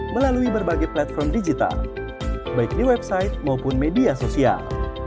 melalui berbagai platform digital baik di website maupun media sosial